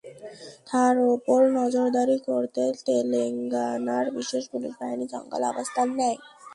তাঁর ওপর নজরদারি করতে তেলেঙ্গানার বিশেষ পুলিশ বাহিনী জঙ্গলে অবস্থান নেয়।